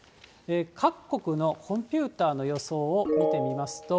各国のコンピューターの予想を見てみますと。